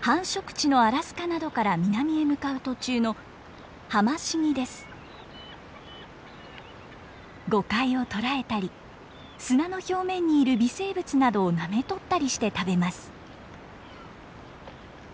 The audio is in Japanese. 繁殖地のアラスカなどから南へ向かう途中のゴカイを捕らえたり砂の表面にいる微生物などをなめとったりして食べます。